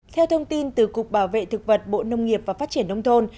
theo thông tin từ cục bảo vệ thực vật bộ nông nghiệp và phát triển nông thôn